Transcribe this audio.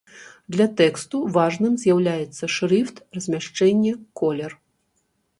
Для тэксту важным з'яўляецца шрыфт, размяшчэнне, колер.